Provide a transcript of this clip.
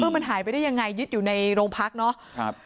มันหายไปได้ยังไงยึดอยู่ในโรงพักเนาะ